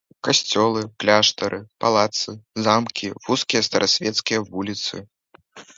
Касцёлы, кляштары, палацы, замкі, вузкія старасвецкія вуліцы.